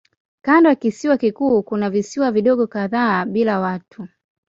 Kando ya kisiwa kikuu kuna visiwa vidogo kadhaa bila watu.